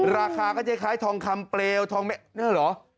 ราคาก็จะคล้ายทองคำเปลวทองนี่เหรอ